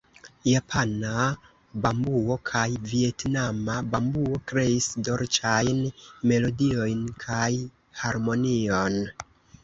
Japana bambuo kaj vjetnama bambuo kreis dolĉajn melodiojn kaj harmonion.